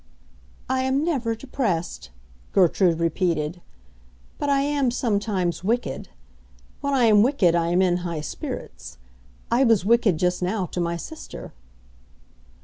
"I am never depressed," Gertrude repeated. "But I am sometimes wicked. When I am wicked I am in high spirits. I was wicked just now to my sister."